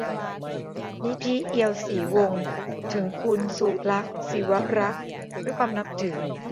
นิธิ เอียวศรีวงศ์ : ถึงคุณสุลักษณ์ ศิวรักษ์ ด้วยความนับถือ